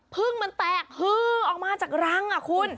เพลิงมันแตกเพลิงออกมาจากรังอะคุณ